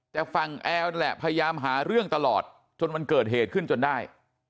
แต่ฝั่งแอลนั่นแหละพยายามหาเรื่องตลอดจนมันเกิดเหตุขึ้นจนได้